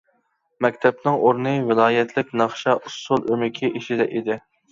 مەكتەپنىڭ ئورنى ۋىلايەتلىك ناخشا-ئۇسسۇل ئۆمىكى ئىچىدە ئىدى.